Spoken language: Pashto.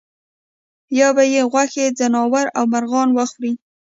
یا به یې غوښې ځناورو او مرغانو وخوړې.